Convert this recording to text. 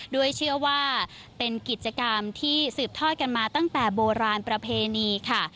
ด้วยเชื่อว่าเป็นกิจกรรมที่สืบทอดกันมาตั้งแต่โบราณประเพณีค่ะ